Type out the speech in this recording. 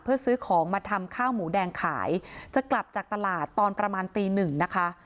เพื่อซื้อของมาทำข้าวหมูแดงขายจะกลับจากตลาดตอนประมาณตีหนึ่งนะคะ